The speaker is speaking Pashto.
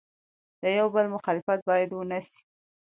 د یو بل مخالفت باید ونسي.